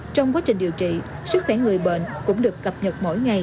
trong quá trình điều trị sức khỏe người bệnh cũng được cập nhật mỗi ngày